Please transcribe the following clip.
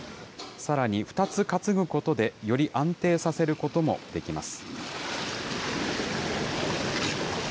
さらに２つ担ぐことで、より安定させることもできます。